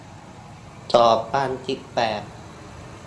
สองพันสิบแปด